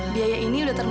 biaya ini udah terbaik